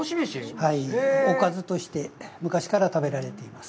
おかずとして昔から食べられています。